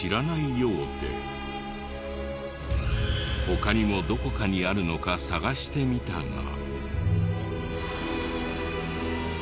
他にもどこかにあるのか探してみたが。